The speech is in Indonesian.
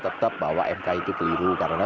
tetap bahwa mk itu keliru karena